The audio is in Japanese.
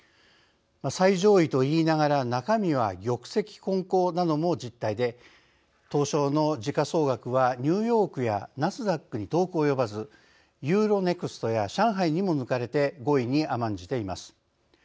最上位といいながら中身は、玉石混交なのも実態で東証の時価総額はニューヨークやナスダックに遠く及ばずユーロネクストや上海にも抜かれて５位に甘んじています。